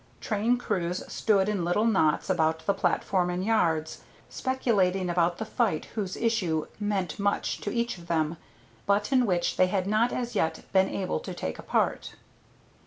Train crews stood in little knots about the platform and yards, speculating about the fight whose issue meant much to each of them, but in which they had not as yet been able to take a part.